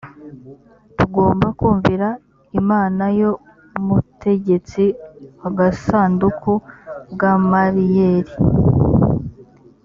tugomba kumvira imana yo mutegetsi agasanduku gamaliyeli